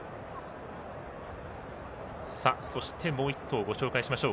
そしてもう１頭ご紹介しましょう。